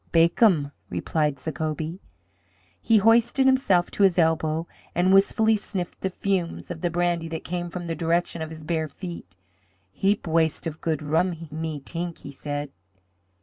"Bacum," replied Sacobie. He hoisted himself to his elbow, and wistfully sniffed the fumes of brandy that came from the direction of his bare feet. "Heap waste of good rum, me t'ink," he said.